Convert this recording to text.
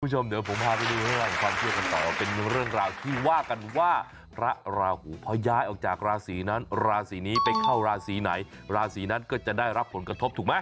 คุณผู้ชมเดี๋ยวผมพาไปดูเรื่องของความเชื่อกันต่อเป็นเรื่องราวที่ว่ากันว่าพระราหูพอย้ายออกจากราศีนั้นราศีนี้ไปเข้าราศีไหนราศีนั้นก็จะได้รับผลกระทบถูกไหม